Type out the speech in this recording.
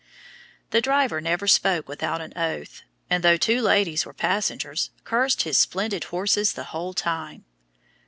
The driver never spoke without an oath, and though two ladies were passengers, cursed his splendid horses the whole time.